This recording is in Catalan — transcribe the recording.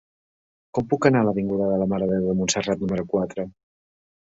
Com puc anar a l'avinguda de la Mare de Déu de Montserrat número quatre?